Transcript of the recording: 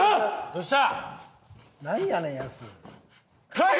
どうしたん？